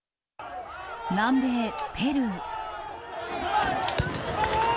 南米ペルー。